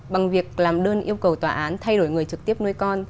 bằng việc làm đơn yêu cầu tòa án thay đổi người trực tiếp nuôi con